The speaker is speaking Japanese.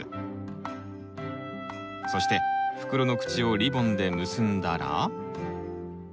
そして袋の口をリボンで結んだら。